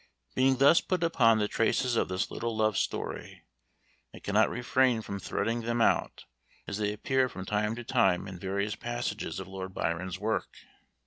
Being thus put upon the traces of this little love story, I cannot refrain from threading them out, as they appear from time to time in various passages of Lord Byron's works.